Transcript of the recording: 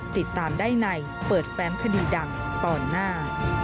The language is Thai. ติดตามได้ในเปิดแฟ้มคดีดังตอนหน้า